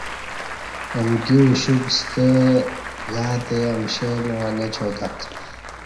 امکی اوشپ ستہ گاتے امشیں مع نچاتت